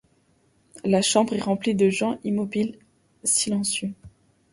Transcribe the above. La chambre est remplie de gens, immobiles, silencieux.